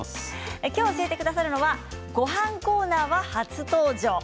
今日教えてくださるのはごはんコーナーは初登場